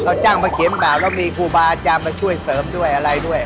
เขาจ้างมาเขียนบาปแล้วมีครูบาอาจารย์มาช่วยเสริมด้วยอะไรด้วย